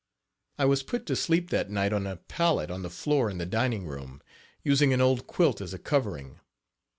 I was put to sleep that night on a pallet on the floor in the dining room, using an old quilt as a covering.